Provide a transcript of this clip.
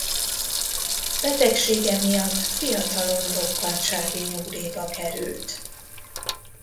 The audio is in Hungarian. Betegsége miatt fiatalon rokkantsági nyugdíjba került.